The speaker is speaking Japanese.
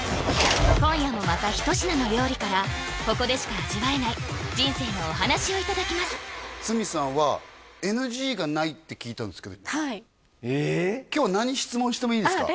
今夜もまた一品の料理からここでしか味わえない人生のお話をいただきます鷲見さんは今日は何質問してもいいですか？